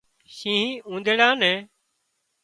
شينهن اُونۮيڙا نين